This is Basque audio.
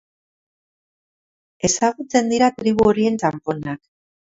Ezagutzen dira tribu horien txanponak.